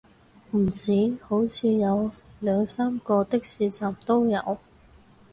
唔止，好似有兩三個的士站都有